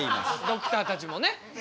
ドクターたちもね